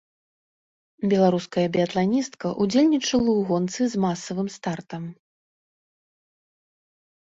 Беларуская біятланістка ўдзельнічала ў гонцы з масавым стартам.